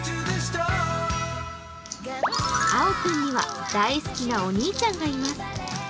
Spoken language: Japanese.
君には大好きなお兄ちゃんがいます。